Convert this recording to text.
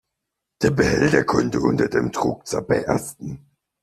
Der Behälter könnte unter dem Druck zerbersten.